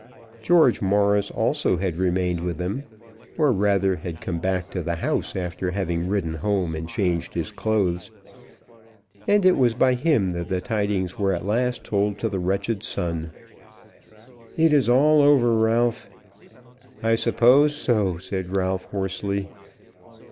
George Morris also had remained with them, or rather had come back to the house after having ridden home and changed his clothes, and it was by him that the tidings were at last told to the wretched son. "It is all over, Ralph!" "I suppose so!" said Ralph, hoarsely.